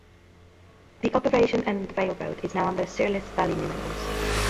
The operation and railroad is now under Searles Valley Minerals.